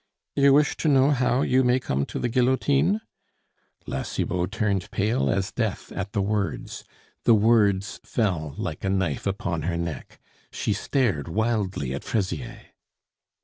"You wish to know how you may come to the guillotine?" La Cibot turned pale as death at the words; the words fell like a knife upon her neck. She stared wildly at Fraisier.